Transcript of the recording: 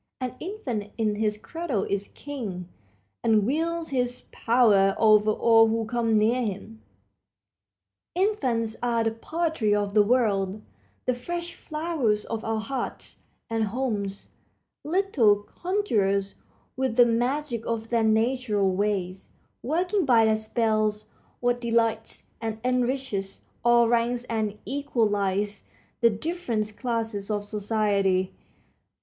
An infant in his cradle is king, and wields his power over all who come near him. Infants are the poetry of the world; the fresh flowers of our hearts and homes; little conjurers, with the magic of their natural ways, working by their spells what delights and enriches all ranks and equalizes the different classes of society.